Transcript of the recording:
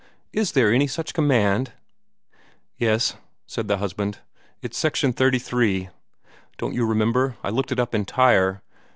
Is there any such command?" "Yes," said the husband. "It's Section 33. Don't you remember? I looked it up in Tyre.